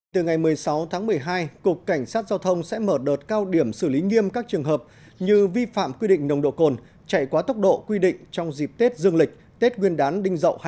từ ngày một mươi sáu tháng một mươi hai cục cảnh sát giao thông sẽ mở đợt cao điểm xử lý nghiêm các trường hợp như vi phạm quy định nồng độ cồn chạy quá tốc độ quy định trong dịp tết dương lịch tết nguyên đán đinh dậu hai nghìn hai mươi bốn